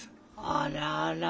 あらあら